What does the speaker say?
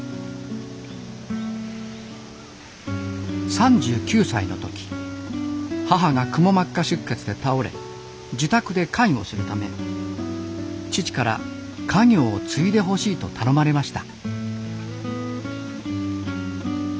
３９歳の時母がくも膜下出血で倒れ自宅で介護するため父から家業を継いでほしいと頼まれました。